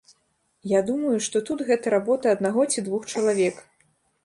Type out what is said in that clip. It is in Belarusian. Я думаю, што тут гэта работа аднаго ці двух чалавек.